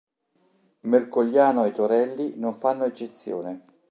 Mercogliano e Torelli non fanno eccezione.